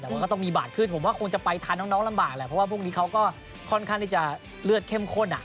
แต่มันก็ต้องมีบาทขึ้นผมว่าคงจะไปทานน้องลำบากแหละเพราะว่าพรุ่งนี้เขาก็ค่อนข้างที่จะเลือดเข้มข้นอ่ะ